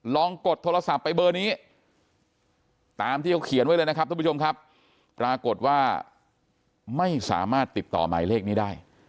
กดโทรศัพท์ไปเบอร์นี้ตามที่เขาเขียนไว้เลยนะครับทุกผู้ชมครับปรากฏว่าไม่สามารถติดต่อหมายเลขนี้ได้